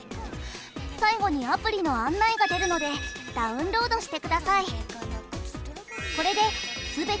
最後にアプリの案内が出るのでダウンロードしてください。